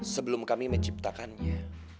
sebelum kami menciptakannya